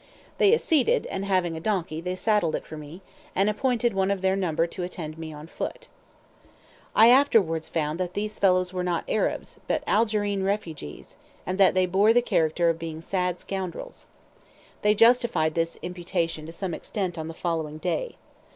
They acceded, and having a donkey, they saddled it for me, and appointed one of their number to attend me on foot. I afterwards found that these fellows were not Arabs, but Algerine refugees, and that they bore the character of being sad scoundrels. They justified this imputation to some extent on the following day.